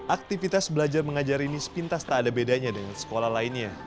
aktivitas belajar mengajar ini sepintas tak ada bedanya dengan sekolah lainnya